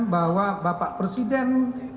bahwa bapak presiden